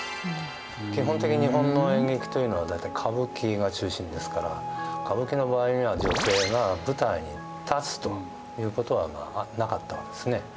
基本的に日本の演劇というのは大体歌舞伎が中心ですから歌舞伎の場合には女性が舞台に立つということはなかったわけですね。